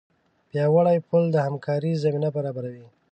پیاوړی پل د همکارۍ زمینه برابروي.